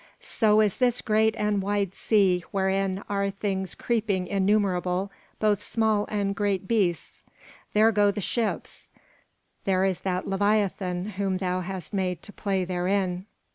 ... So is this great and wide sea wherein are things creeping innumerable, both small and great beasts. There go the ships: there is that leviathan whom thou hast made to play therein.